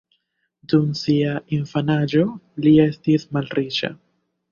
Dum sia infanaĝo, li estis malriĉa.